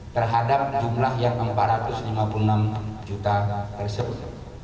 terhadap jumlah yang empat ratus lima puluh enam juta tersebut